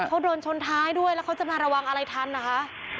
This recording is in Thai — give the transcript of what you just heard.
เขาโดนชนท้ายด้วยแล้วเขาจะมาระวังอะไรทันนะคะ